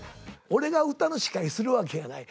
俺が歌の司会するわけがない。